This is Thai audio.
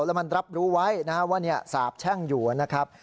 แล้วมันรับรู้ไว้ว่าสาบแช่งอยู่นะครับ